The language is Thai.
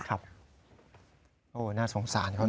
โหน่าสงสานเขาน่ะ